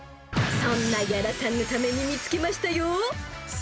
そんな屋良さんのために見つけましたよ。